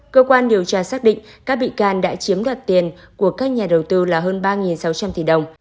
cơ quan điều tra xác định các bị can đã chiếm đoạt tiền của các nhà đầu tư là hơn ba sáu trăm linh tỷ đồng